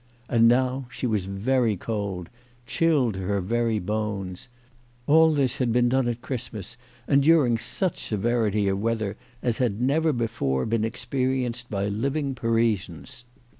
And now she was very cold, chilled to her very bones. All this had be^en done at Christmas, and during such severity of weather as had never before been experienced by living Parisians.